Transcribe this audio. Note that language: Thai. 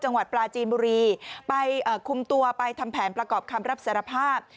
จังหวัดปลาจีนบุรีไปเอ่อคุมตัวไปทำแผนประกอบคำรับสารภาพ